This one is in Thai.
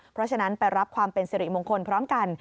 เพราะฉะนั้นไปรับความเป็นสิริมงคลพร้อมกัน